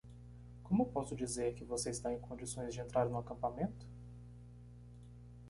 Como posso dizer que você está em condições de entrar no acampamento?